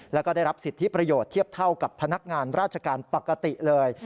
แล้วก็ได้รับสิทธิประโยชน์เทียบเท่ากับพนักงานราชการปกติเลย